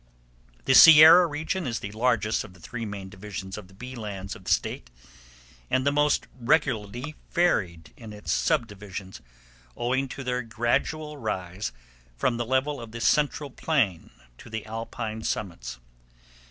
The Sierra region is the largest of the three main divisions of the bee lands of the State, and the most regularly varied in its subdivisions, owing to their gradual rise from the level of the Central Plain to the alpine summits.